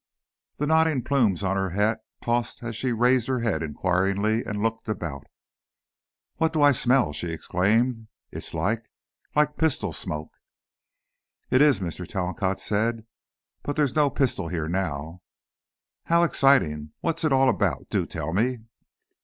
The nodding plumes on her hat tossed as she raised her head inquiringly and looked about. "What do I smell?" she exclaimed; "it's like like pistol smoke!" "It is," Mr. Talcott said. "But there's no pistol here now " "How exciting! What's it all about? Do tell me."